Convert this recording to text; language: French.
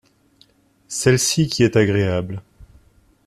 Celle-ci qui est agréable.